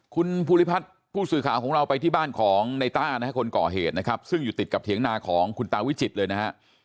คุณพุทธิภัทราชน์กูสุขาของเราไปที่บ้านของในต้านนะก็ขอเหตุนะครับซึ่งอยู่ติดกับถี่ยางนาของคุณตาวิจิตรเลยนะ